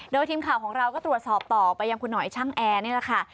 โดยทีมข่าวของเราก็ตรวจสอบต่อไปยังคุณหน่อยช่างแอร์นี่แหละค่ะ